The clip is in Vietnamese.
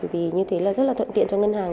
vì như thế là rất là thuận tiện cho ngân hàng